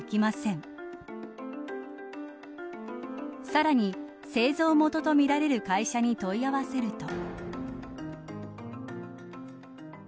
さらに製造元とみられる会社に問い合わせると。